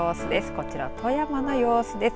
こちら富山の様子です。